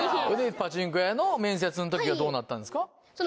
パチンコ屋の面接の時はどうなったんですか？